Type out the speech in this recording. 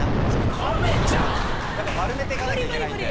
丸めて行かなきゃいけないんで。